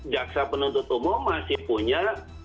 jaksa penuntut umum masih punya